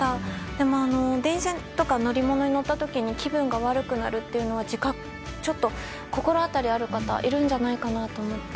でも、電車とか乗り物に乗った時に気分が悪くなるというのはちょっと、心当たりがある方もいるんじゃないかと思って。